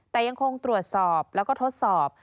แต่ยังคงตรวจสอบแล้วก็ทดสอบ